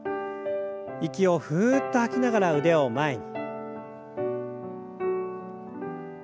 息をふっと吐きながら腕を前に。